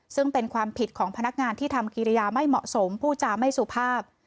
ซึ่งเป็นความผิดของพนักงานที่ทำกิริยาไม่เหมาะสมผู้จาไม่สุภาพ